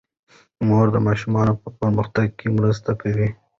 مور د ماشومانو په پرمختګ کې مرسته کوي.